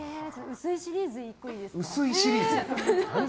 薄いシリーズいいですか？